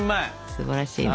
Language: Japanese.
すばらしいね。